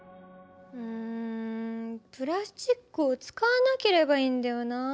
うんプラスチックを使わなければいいんだよな。